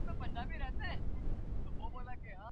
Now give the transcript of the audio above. پلانونه چي عملي سي پرمختګ راځي.